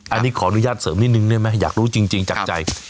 อันนี้ขออนุญาตเสริมนิดนึงได้ไหมอยากรู้จริงจากใจ